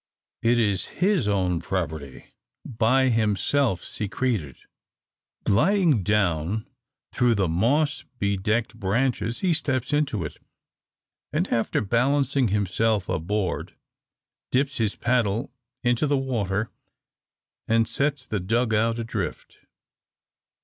It is his own property, by himself secreted. Gliding down through the moss bedecked branches, he steps into it; and, after balancing himself aboard, dips his paddle into the water, and sets the dug out adrift.